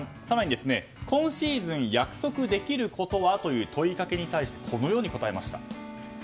更に、今シーズン約束できることは？という問いかけに対してこのように答えました。